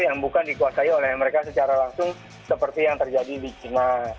yang bukan dikuasai oleh mereka secara langsung seperti yang terjadi di china